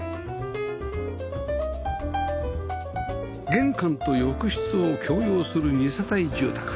玄関と浴室を共用する二世帯住宅